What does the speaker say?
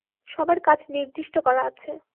সবার কাজ নির্দিষ্ট করা আছে।